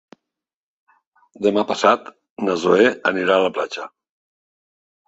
Demà passat na Zoè anirà a la platja.